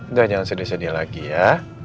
nggak jangan sedih sedih lagi ya